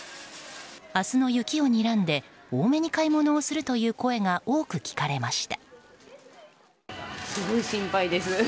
明日の雪をにらんで多めに買い物をするという声が多く聞かれました。